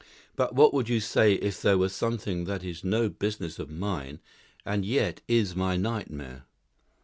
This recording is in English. But what would you say if there were something that is no business of mine and yet is my nightmare?"